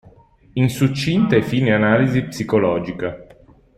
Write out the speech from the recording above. In succinta e fine analisi psicologica.